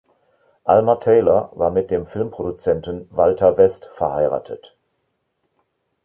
Alma Taylor war mit dem Filmproduzenten Walter West verheiratet.